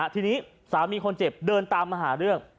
ทีนี้สามีคนเจ็บเดินตามมาหาเรื่อง